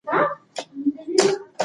ما خپله مورنۍ ژبه په مینه زده کړه.